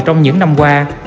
trong những năm qua